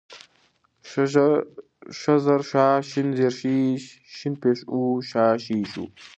ښ زر ښا، ښېن زير ښې ، ښين پيښ ښو ، ښا ښې ښو